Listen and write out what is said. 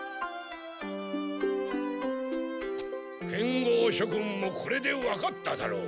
剣豪しょ君もこれでわかっただろう。